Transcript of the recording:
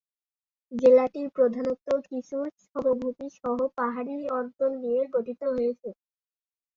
জেলাটি প্রধানত কিছু সমভূমি সহ পাহাড়ী অঞ্চল নিয়ে গঠিত হয়েছে।